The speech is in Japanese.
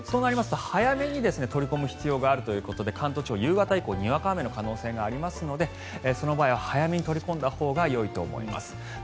そうすると、早めに取り込む必要があるということで関東地方、夕方以降にわか雨の可能性がありますのでその場合は早めに取り込んだほうがよいと思います。